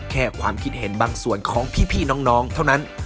ความคิดเห็นบางส่วนของพี่น้องเท่านั้น